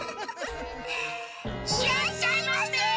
いらっしゃいませ！